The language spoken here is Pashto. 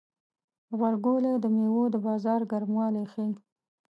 غبرګولی د میوو د بازار ګرموالی ښيي.